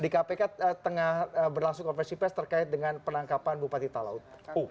di kpk tengah berlangsung konversi pes terkait dengan penangkapan bupati talaut